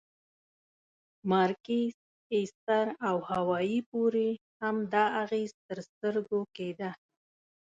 مارکیز، ایستر او هاوایي پورې هم دا اغېز تر سترګو کېده.